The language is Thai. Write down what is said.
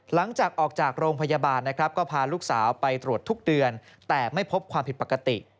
หลังจากออกจากโรงพยาบาลนะครับก็พาลูกสาวไปตรวจทุกเดือนแต่ไม่พบความผิดปกติ